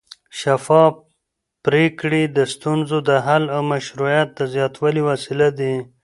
شفافه پرېکړې د ستونزو د حل او مشروعیت د زیاتوالي وسیله دي